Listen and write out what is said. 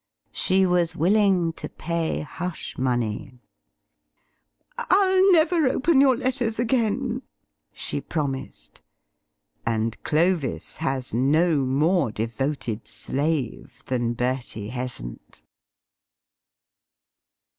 She was willing to pay hush money. "I'll never open your letters again," she promised. And Clovis has no more devoted slave than Bertie Heasant.